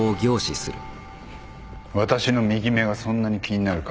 私の右目がそんなに気になるか？